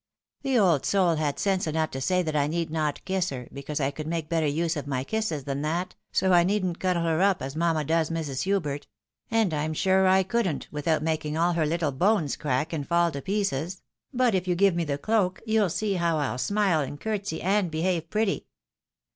The old soul had sense enough to say that I need not kiss her, because I could make better use of my kisses than that, so I needn't cuddle her up, as mamma does Mrs. Hubert — ^and I'm sure I couldn't, without making all her, little bones crack, and fall to pieces ; but if you win give me the cloak, you'll see how I'll smUe, and courtesy, and behave pretty."